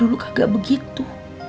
dulu kagak begitu